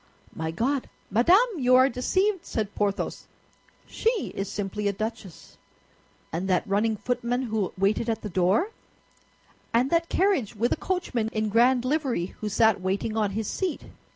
"My God! Madame, you are deceived," said Porthos; "she is simply a duchess." "And that running footman who waited at the door, and that carriage with a coachman in grand livery who sat waiting on his seat?"